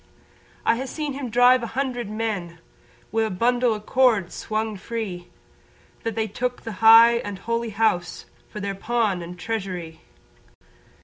I ha' seen him drive a hundred men Wi' a bundle o' cords swung free, That they took the high and holy house For their pawn and treasury.